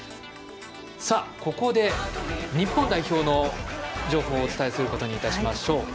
さあ、ここで日本代表の情報をお伝えすることにいたしましょう。